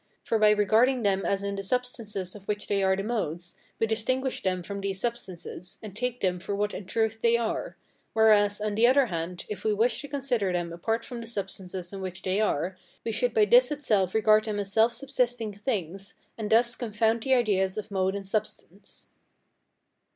For by regarding them as in the substances of which they are the modes, we distinguish them from these substances, and take them for what in truth they are: whereas, on the other hand, if we wish to consider them apart from the substances in which they are, we should by this itself regard them as self subsisting things, and thus confound the ideas of mode and substance.